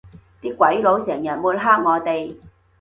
啲鬼佬成日抹黑我哋